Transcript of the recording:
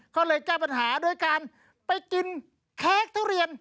เขาเลยกล้าปัญหาโดยการไปกินแครกทุเรียน